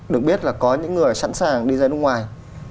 được biết là có những người sẵn sàng đi ra nước ngoài